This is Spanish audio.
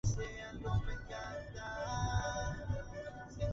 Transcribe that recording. Este conjunto conceptual trataría de encontrar la palabra correspondiente {gato}.